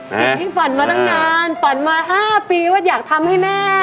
ฝันมาตั้งนานฝันมา๕ปีว่าอยากทำให้แม่